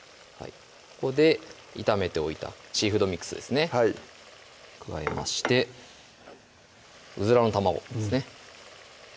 ここで炒めておいたシーフードミックスですね加えましてうずらの卵ですね